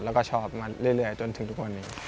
แล้วก็ชอบมาเรื่อยจนถึงทุกวันนี้